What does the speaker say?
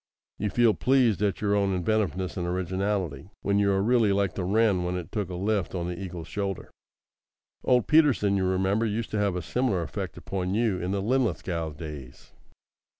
You feel pleased at your own inventiveness and originality, when you are really like the wren when it took a lift on the eagle's shoulder. Old Peterson, you remember, used to have a similar effect upon you in the Linlithgow days.